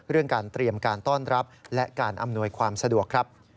เรื่องการเตรียมการต้อนรับและการอำนวยความสะดวกครับ